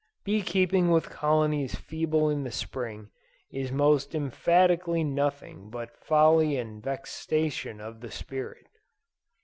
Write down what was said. Bee keeping with colonies feeble in the Spring, is most emphatically nothing but "folly and vexation of spirit."